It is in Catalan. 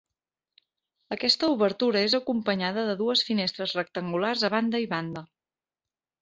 Aquesta obertura és acompanyada de dues finestres rectangulars a banda i banda.